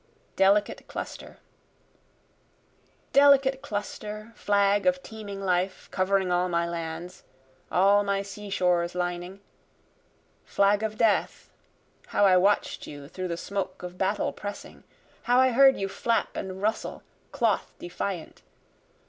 Delicate Cluster Delicate cluster! flag of teeming life! Covering all my lands all my seashores lining! Flag of death! (how I watch'd you through the smoke of battle pressing! How I heard you flap and rustle, cloth defiant!)